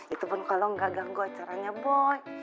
itu pun kalau nggak ganggu acaranya boy